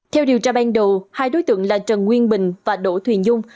theo điều tra ban đầu hai đối tượng là trần nguyên bình và đỗ thuyền dung